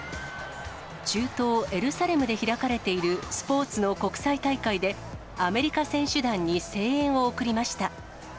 中東エルサレムで開かれているスポーツの国際大会で、アメリカ選手団に声援を送りました。